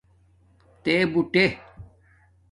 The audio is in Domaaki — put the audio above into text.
تے بوٹݻ